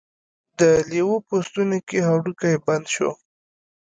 د لیوه په ستوني کې هډوکی بند شو.